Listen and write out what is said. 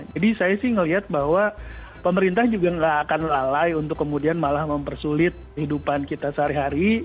saya sih melihat bahwa pemerintah juga nggak akan lalai untuk kemudian malah mempersulit kehidupan kita sehari hari